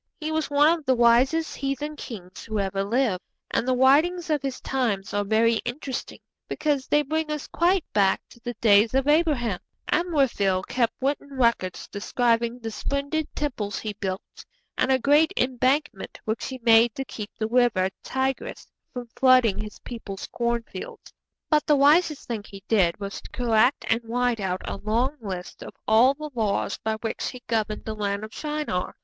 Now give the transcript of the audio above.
He was one of the wisest heathen kings who ever lived, and the writings of his times are very interesting, because they bring us quite back to the days of Abraham. Amraphel kept written records describing the splendid temples he built, and a great embankment which he made to keep the river Tigris from flooding his people's cornfields; but the wisest thing he did was to collect and write out a long list of all the laws by which he governed the land of Shinar.